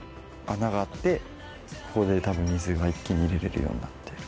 穴があってここで多分水が一気に入れれるようになってる。